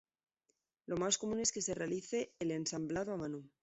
Lo más común es que se realice el ensamblado a mano.